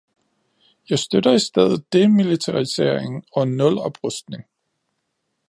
Jeg støtter i stedet demilitarisering og nuloprustning.